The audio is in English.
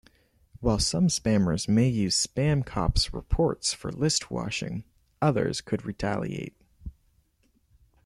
While some spammers may use SpamCop's reports for listwashing, others could retaliate.